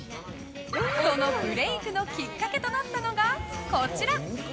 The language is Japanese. そのブレークのきっかけとなったのが、こちら。